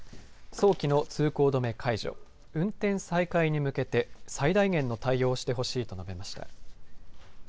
早期の通行止め解除、運転再開に向けて最大限の対応をしてほしいと述べました。